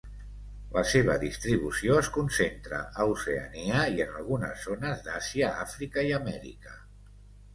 La seva distribució es concentra a Oceania i en algunes zones d'Àsia, Àfrica i Amèrica.